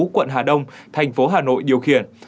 quận hà đông thành phố hà nội điều khiển